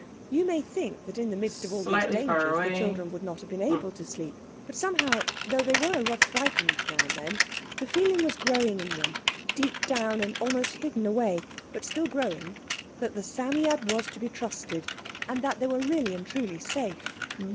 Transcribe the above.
You may think that in the midst of all these dangers the children would not have been able to sleep—but somehow, though they were rather frightened now and then, the feeling was growing in them—deep down and almost hidden away, but still growing—that the Psammead was to be trusted, and that they were really and truly safe.